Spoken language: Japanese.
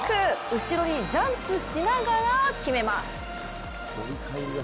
後ろにジャンプしながら決めます。